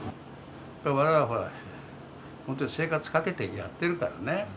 われわれも本当、生活かけてやってるからね。